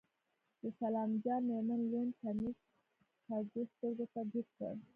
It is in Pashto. د سلام جان مېرمن لوند کميس کږو سترګو ته جګ کړ.